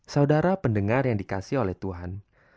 saudara pendengar yang dikasih oleh tuhan